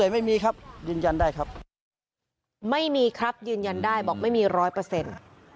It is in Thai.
ไม่มีครับยืนยันได้บอกไม่มีร้อยเปอร์เซ็นต์